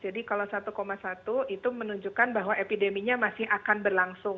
jadi kalau satu satu itu menunjukkan bahwa epideminya masih akan berlangsung